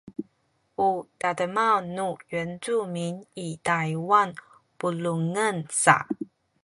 u tademaw nu Yincumin i Taywan pulungen sa